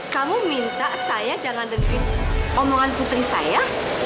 kamu minta saya jangan resin omongan putri saya